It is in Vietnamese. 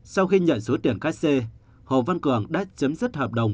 sau khi nhận số tiền khách xe hồ văn cường đã chấm dứt hợp đồng